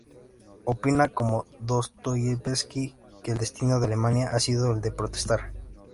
Opina, como Dostoievski, que el destino de Alemania ha sido el de protestar.